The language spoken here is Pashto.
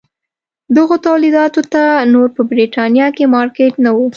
دغو تولیداتو ته نور په برېټانیا کې مارکېټ نه و.